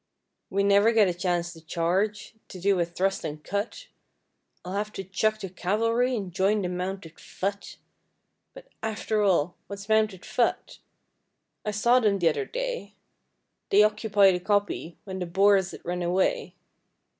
We never get a chance to charge, to do a thrust and cut, I'll have to chuck the Cavalry and join the Mounted Fut. But after all What's Mounted Fut? I saw them t'other day, They occupied a Koppie when the Boers had run away.